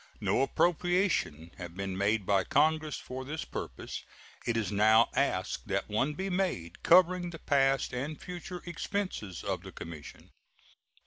No appropriation having been made by Congress for this purpose, it is now asked that one be made covering the past and future expenses of the commission.